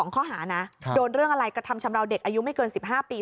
ข้อหานะโดนเรื่องอะไรกระทำชำราวเด็กอายุไม่เกิน๑๕ปี